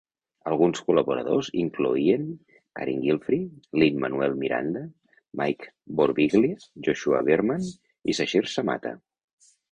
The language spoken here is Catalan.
Alguns col·laboradors incloïen Carin Gilfry, Lin-Manuel Miranda, Mike Birbiglia, Joshua Bearman i Sasheer Zamata.